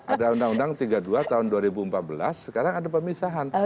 ada undang undang tiga puluh dua tahun dua ribu empat belas sekarang ada pemisahan